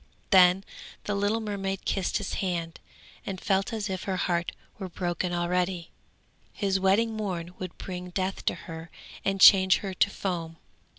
Then the little mermaid kissed his hand, and felt as if her heart were broken already. His wedding morn would bring death to her and change her to foam.